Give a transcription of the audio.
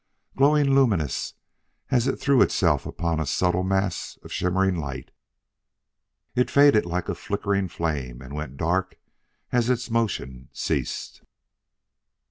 Glowingly luminous as it threw itself upon a subtle mass of shimmering light, it faded like a flickering flame and went dark as its motion ceased.